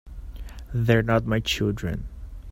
They're not my children.